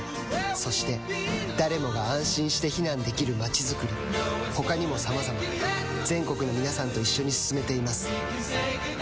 そして誰もが安心して避難できる街づくり他にもさまざま全国の皆さんと一緒に進めています